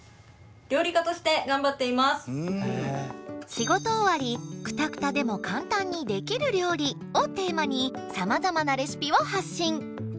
「仕事終わりクタクタでも簡単にできる料理」をテーマにさまざまなレシピを発信！